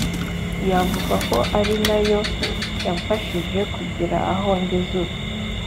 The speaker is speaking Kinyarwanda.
Navuga ko ari na yo yamfashije kugera aho ngeze ubu.